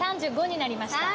３５になりました。